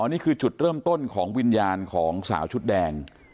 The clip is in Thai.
นี่คือจุดเริ่มต้นของวิญญาณของสาวชุดแดง